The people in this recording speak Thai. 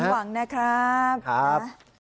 ขอให้สมหวังนะครับ